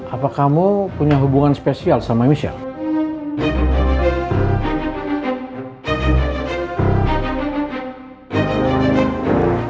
apa kamu punya hubungan spesial sama michelle